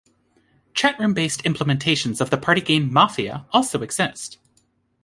Chatroom-based implementations of the party game "Mafia" also exist.